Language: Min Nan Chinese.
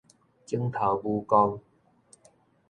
指頭拇公